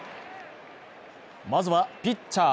まずはピッチャー